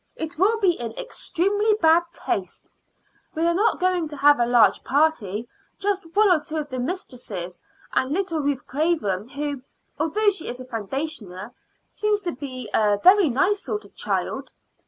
It will be in extremely bad taste. We are not going to have a large party just one or two of the mistresses and little Ruth Craven, who, although she is a foundationer, seems to be a very nice sort of child.